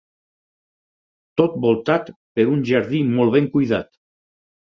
Tot voltat per un jardí molt ben cuidat.